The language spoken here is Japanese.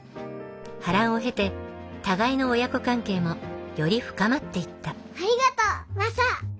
波乱を経て互いの親子関係もより深まっていったありがとうマサ！